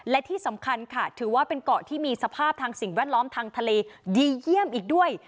และที่สำคัญค่ะถือว่าเป็นเกาะที่มีสภาพทางสิ่งแวดล้อมทางทะเลดีเยี่ยมอีกด้วย